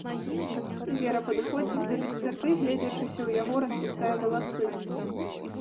Вера падыходзіць да люстэрка і, гледзячыся ў яго, распускае валасы.